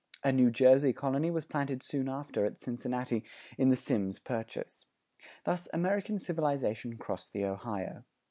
A New Jersey colony was planted soon after at Cincinnati in the Symmes Purchase. Thus American civilization crossed the Ohio.